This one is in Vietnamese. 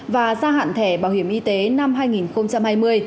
và gia hạn thẻ bảo hiểm y tế năm hai nghìn hai mươi